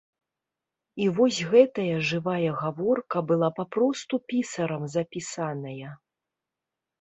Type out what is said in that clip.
І вось гэтая жывая гаворка была папросту пісарам запісаная.